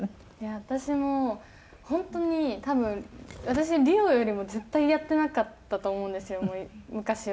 私も本当に多分私ＲＩＯよりも絶対やってなかったと思うんですよ昔は。